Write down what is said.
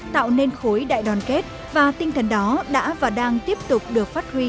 tạo nên khối đại đoàn kết và tinh thần đó đã và đang tiếp tục được phát huy